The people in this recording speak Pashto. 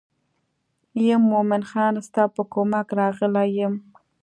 یم مومن خان ستا په کومک راغلی یم.